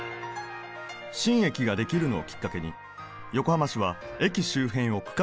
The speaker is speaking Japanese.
新駅ができるのをきっかけに横浜市は駅周辺を区画整理。